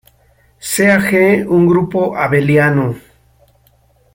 Sea "G" un grupo abeliano.